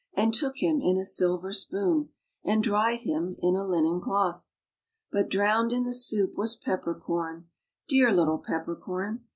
And took him in a silver spoon. And dried him in a linen cloth. But drowned in the soup was Pepper Corn, Dear little Pepper Corn